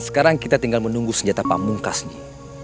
sekarang kita tinggal menunggu senjata pak mungkas ini